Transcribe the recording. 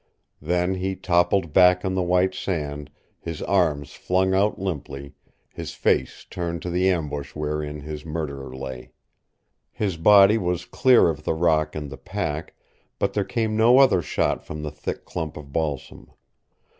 Then he toppled back on the white sand, his arms flung out limply, his face turned to the ambush wherein his murderer lay. His body was clear of the rock and the pack, but there came no other shot from the thick clump of balsam.